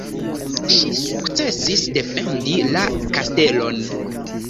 Ŝi sukcesis defendi la kastelon.